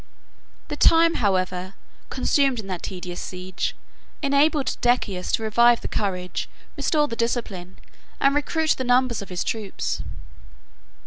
33 The time, however, consumed in that tedious siege, enabled Decius to revive the courage, restore the discipline, and recruit the numbers of his troops.